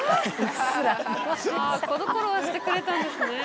この頃はしてくれたんですね。